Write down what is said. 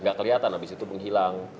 gak kelihatan abis itu menghilang